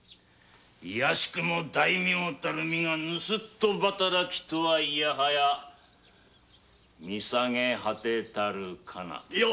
いやしくも大名たる身がぬすっと働きとはイヤハヤ見下げ果てたるかな。